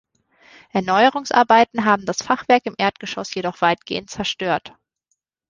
Erneuerungsarbeiten haben das Fachwerk im Erdgeschoss jedoch weitgehend zerstört.